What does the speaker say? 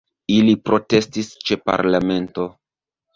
Ili protestis ĉe parlamento.